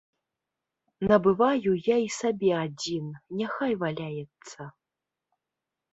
Набываю я і сабе адзін, няхай валяецца.